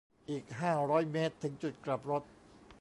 อีก ห้าร้อยเมตร ถึงจุดกลับรถ